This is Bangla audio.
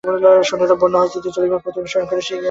সৈন্যেরা বন্য হস্তীদের চলিবার পথ অনুসরণ করিয়া শিখরে উঠিয়াছে।